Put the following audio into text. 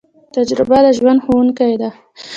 تجربه د ژوند ښوونکی ده